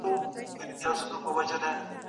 موږ به تل د دې علم قدر کوو.